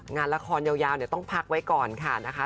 งานละครยาวต้องพักไว้ก่อนค่ะนะคะ